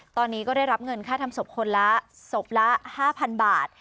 ตอนนี้ก็ได้รับเงินค่าทำศพคนละศพละ๕๐๐๐บาท